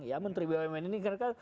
ya menteri bumn ini karena